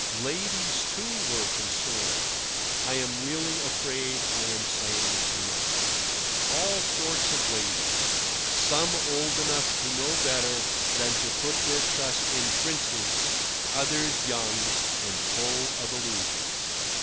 Ladies, too, were concerned (I am really afraid I am saying too much)—all sorts of ladies, some old enough to know better than to put their trust in princes, others young and full of illusions.